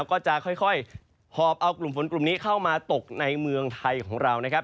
ก็จะค่อยหอบเอากลุ่มฝนกลุ่มนี้เข้ามาตกในเมืองไทยของเรานะครับ